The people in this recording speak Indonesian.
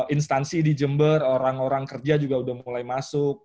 instansi di jember orang orang kerja juga udah mulai masuk